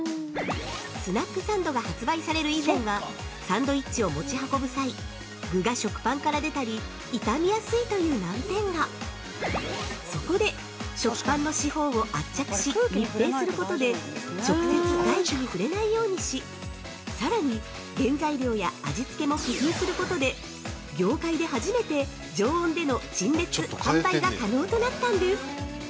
スナックサンドが発売される以前は、サンドイッチを持ち運ぶ際、具が食パンから出たり傷みやすいという難点がそこで、食パンの四方を圧着し密閉することで直接外気に触れないようにしさらに、原材料や味付けも工夫することで、業界で初めて、常温での陳列・販売が可能となったんです。